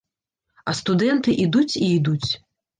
А студэнты ідуць і ідуць.